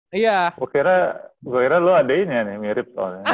gue kira lo adeinya nih mirip